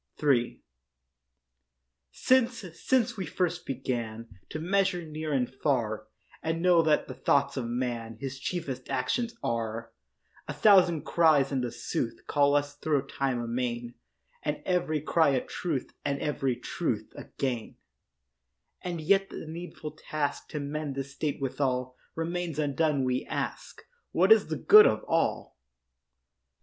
III Since, since we first began To measure near and far, And know that the thoughts of man His chiefest actions are, A thousand cries in sooth Call us thro' time amain, And every cry a truth And every truth a gain, And yet the needful task, To mend this state withal, Remains undone; we ask, What is the good of all?